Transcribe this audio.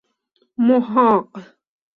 محاق